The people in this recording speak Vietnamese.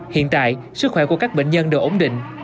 hiện tại sức khỏe của các bệnh nhân đều ổn định